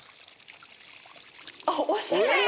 あっおしゃれ！